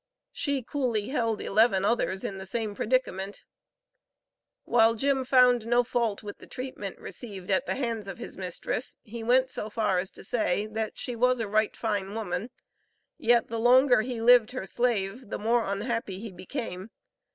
She coolly held eleven others in the same predicament. While Jim found no fault with the treatment received at the hands of his mistress, he went so far as to say that "she was a right fine woman," yet, the longer he lived her slave, the more unhappy he became.